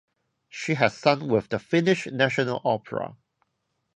She has sung with the Finnish National Opera.